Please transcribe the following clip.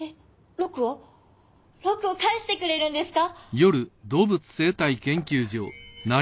ロクを返してくれるんですか？